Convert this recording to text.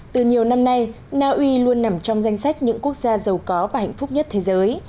từ nhiều năm nay naui luôn nằm trong danh sách những quốc gia giàu có và hạnh phúc nhất thế giới